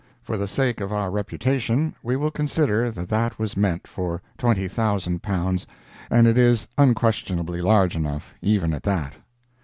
For the sake of our reputation we will consider that that was meant for £20,000 and it is unquestionably large enough, even at that.